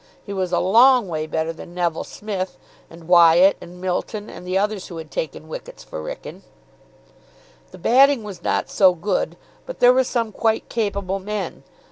He was a long way better than Neville Smith, and Wyatt, and Milton, and the others who had taken wickets for Wrykyn. The batting was not so good, but there were some quite capable men.